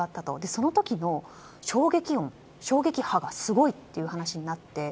その時の衝撃音、衝撃波がすごいという話になって。